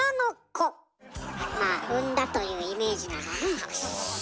まあ産んだというイメージなのね。